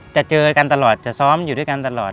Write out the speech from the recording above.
เจอกันตลอดจะซ้อมอยู่ด้วยกันตลอด